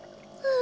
あ？